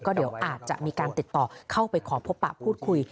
เดี๋ยวอาจจะมีการติดต่อเข้าไปขอพบปะพูดคุย